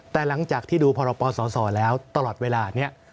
แต่หลังจากที่ดูพรปศแล้วตลอดเวลานี้